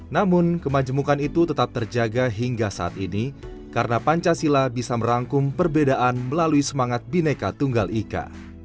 namun kemajemukan itu tetap terjaga hingga saat ini karena pancasila bisa merangkum perbedaan melalui semangat bineka tunggal ika